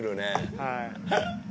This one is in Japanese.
はい。